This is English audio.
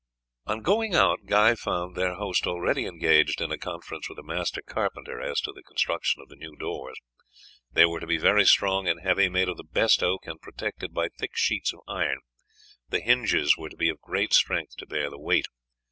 On going out Guy found their host already engaged in a conference with a master carpenter as to the construction of the new doors. They were to be very strong and heavy, made of the best oak, and protected by thick sheets of iron; the hinges were to be of great strength to bear the weight.